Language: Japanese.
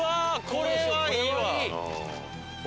これはいいわ。